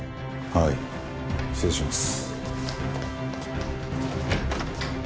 はい失礼致します！